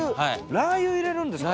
ラー油入れるんですか？